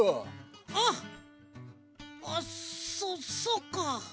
あっあそそっか！